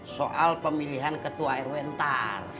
soal pemilihan ketua air wentar